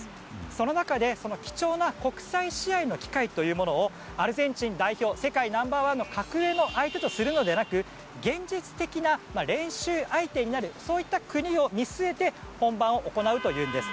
その中で貴重な国際試合の機会というものをアルゼンチン代表世界ナンバーワンの格上の相手とするのではなくて現実的な練習相手になる国を見据えて本番を行うというのです。